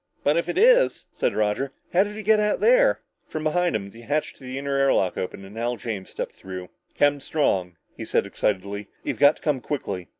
"But if it is," said Roger, "how did he get out there?" From behind them, the hatch to the inner air lock opened and Al James stepped through. "Captain Strong," he said excitedly, "you've got to come quickly.